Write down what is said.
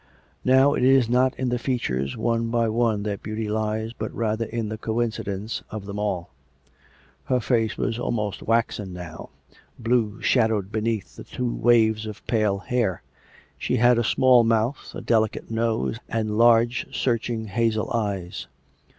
Now it is not in the features one by one that beauty lies but rather in the coincidence of them all. Her face was almost waxen now, blue shadowed beneath the two waves of pale hair; she had a small mouth, a delicate nose, and large, searching hazel eyes.